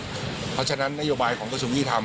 เพราะฉะนั้นนโยบายของกสุนวิอีธรรม